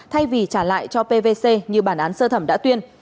thay vì trả lại cho pvc như bản án sơ thẩm đã tuyên